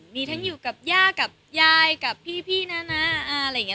มีทั้งอยู่กับย่ากับยายกับพี่นะอะไรอย่างนี้